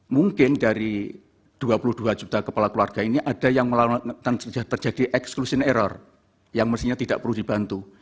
mungkin dari dua puluh dua juta kepala keluarga ini ada yang terjadi exclusion error yang mestinya tidak perlu dibantu